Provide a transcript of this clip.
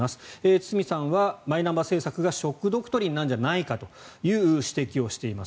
堤さんはマイナンバー政策がショック・ドクトリンなんじゃないかという指摘をしています。